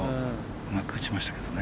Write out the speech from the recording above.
うまく打ちましたけどね。